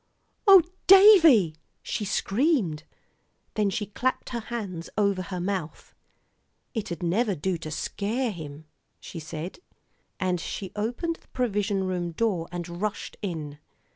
"Oh! Davie," she screamed. Then she clapped her hands over her mouth. "It never'd do to scare him," she said. And she opened the provision room door and rushed in.